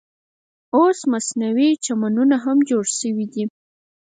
اوس مصنوعي چمنونه هم جوړ شوي دي.